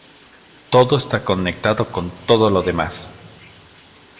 Todo está conectado con todo lo demás.